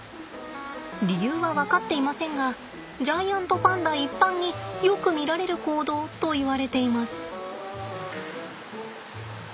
理由は分かっていませんがジャイアントパンダ一般によく見られる行動といわれています。